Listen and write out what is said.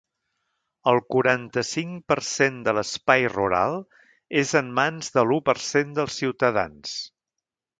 El quaranta-cinc per cent de l’espai rural és en mans de l’u per cent dels ciutadans.